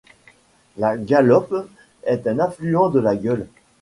La Galoppe est un affluent de la Gueule.